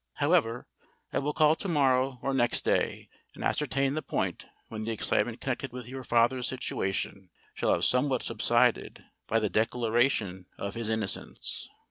However, I will call to morrow or next day and ascertain the point, when the excitement connected with your father's situation shall have somewhat subsided by the declaration of his innocence."